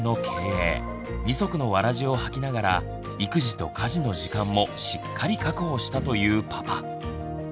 ２足のわらじをはきながら育児と家事の時間もしっかり確保したというパパ。